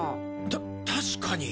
た確かに。